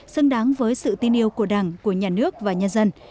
xứng đáng với sự tin yêu của đảng của nhà nước và nhân dân